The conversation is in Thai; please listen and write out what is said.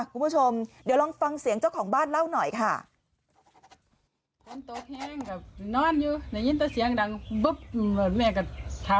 คุณผู้ชมเดี๋ยวลองฟังเสียงเจ้าของบ้านเล่าหน่อยค่ะ